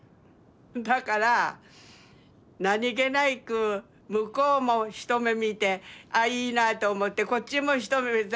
だから何気なく向こうも一目見てあいいなと思ってこっちも一目見て。